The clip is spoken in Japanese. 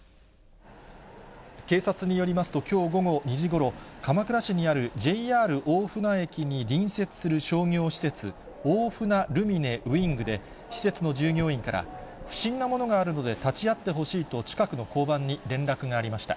警察によりますと、きょう午後２時ごろ、鎌倉市にあるＪＲ大船駅に隣接する商業施設、大船ルミネウィングで、施設の従業員から、不審なものがあるので立ち会ってほしいと、近くの交番に連絡がありました。